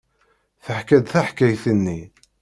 Teḥka-d taḥkayt-nni.